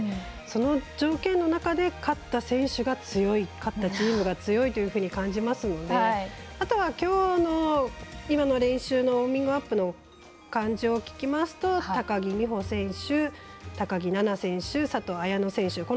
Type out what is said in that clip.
その条件の中で勝った選手が強い、勝ったチームが強いと感じますのであとは、きょうの今の練習のウォーミングアップの感じを聞きますと高木美帆選手、高木菜那選手佐藤綾乃選手